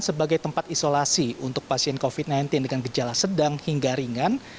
sebagai tempat isolasi untuk pasien covid sembilan belas dengan gejala sedang hingga ringan